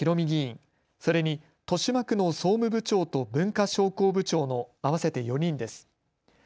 議員、それに豊島区の総務部長と文化商工部長の合わせて４人です。